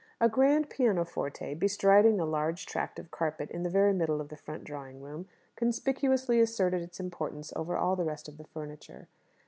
A grand pianoforte, bestriding a large tract of carpet in the very middle of the front drawing room, conspicuously asserted its importance over all the rest of the furniture.